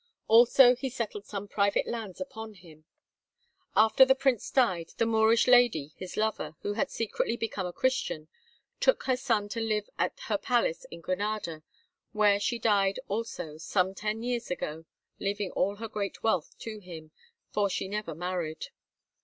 Also he settled some private lands upon him. After the prince died, the Moorish lady, his lover, who had secretly become a Christian, took her son to live at her palace in Granada, where she died also some ten years ago, leaving all her great wealth to him, for she never married.